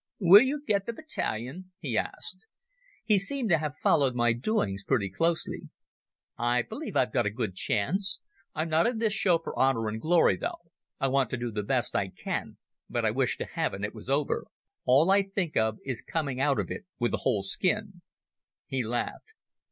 "Will you get the battalion?" he asked. He seemed to have followed my doings pretty closely. "I believe I've a good chance. I'm not in this show for honour and glory, though. I want to do the best I can, but I wish to heaven it was over. All I think of is coming out of it with a whole skin." He laughed.